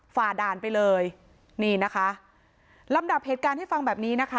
ฝ่าด่านไปเลยนี่นะคะลำดับเหตุการณ์ให้ฟังแบบนี้นะคะ